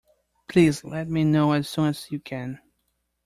Please let me know as soon as you can